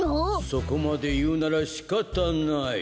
そこまでいうならしかたない。